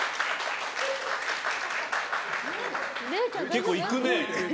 結構いくね。